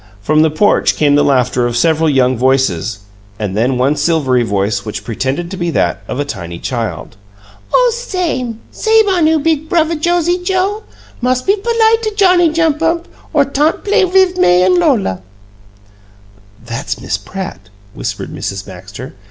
From the porch came the laughter of several young voices, and then one silvery voice, which pretended to be that of a tiny child. "Oh, s'ame! S'ame on 'oo, big Bruvva Josie Joe! Mus' be polite to Johnny Jump up, or tant play wiv May and Lola!" "That's Miss Pratt," whispered Mrs. Baxter.